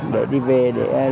để đi về để trình diện nghề